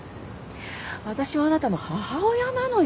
私はあなたの母親なのよ。